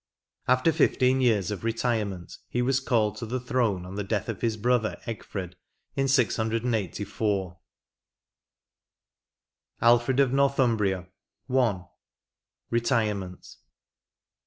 After fifteen years of retirement he was called to the throne on the death of his brother Egfred in 684. 67 XXXIII. ALFRED OF NORTHUMBRIA. — I. RETIREMENT.